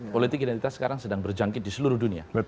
politik identitas sekarang sedang berjangkit di seluruh dunia